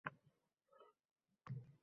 Qani o‘zi?